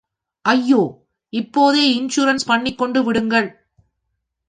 ஐயா இப்போதே இன்ஷூரன்ஸ் பண்ணிக்கொண்டு விடுங்கள்.